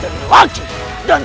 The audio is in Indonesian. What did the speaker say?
bencana alam di mana mana